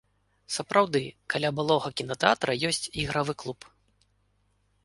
Сапраўды, каля былога кінатэатра ёсць ігравы клуб.